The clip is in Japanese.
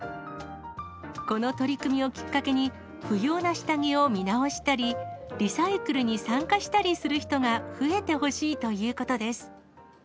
この取り組みをきっかけに、不要な下着を見直したり、リサイクルに参加したりする人が増えてほしいということです。